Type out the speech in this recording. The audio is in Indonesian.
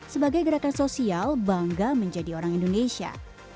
sebagai gerakan sosial bangga menjadi orang indonesia